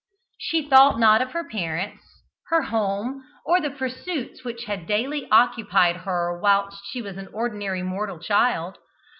She thought not of her parents, her home or the pursuits which had daily occupied her whilst she was an ordinary mortal child.